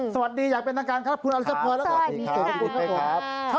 สวัสดีอยากเป็นทางการคุณอัลสัตว์พอร์สแล้วก็สวัสดีค่ะ